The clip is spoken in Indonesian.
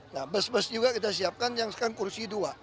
nah bus bus juga kita siapkan yang sekarang kursi dua